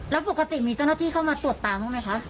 แล้วปกติมีเจ้าหน้าที่เข้ามาตรวจตามบ้างไหมคะ